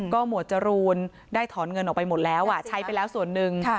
หมวดจรูนได้ถอนเงินออกไปหมดแล้วใช้ไปแล้วส่วนหนึ่ง